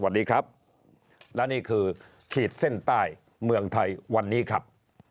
สวัสดีครับและนี่คือขีดเส้นใต้เมืองไทยวันนี้ครับ